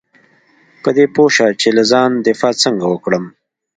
په دې پوه شه چې له ځان دفاع څنګه وکړم .